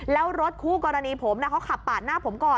แล้วรถคู่กรณีผมเขาขับปาดหน้าผมก่อน